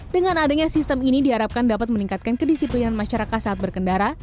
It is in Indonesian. dengan adanya sistem ini diharapkan dapat meningkatkan kedisiplinan masyarakat saat berkendara